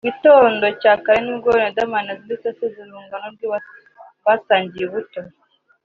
Mu gitondo cya kare nibwo Riderman yazindutse asezera urungano rwe basangiye ubuto